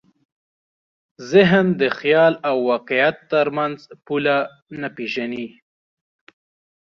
ذهن د خیال او واقعیت تر منځ پوله نه پېژني.